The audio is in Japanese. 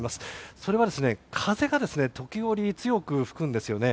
それは、風が時折強く吹くんですよね。